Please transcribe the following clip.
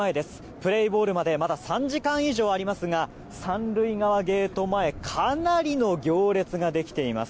プレーボールまでまだ３時間以上ありますが３塁側ゲート前かなりの行列ができています。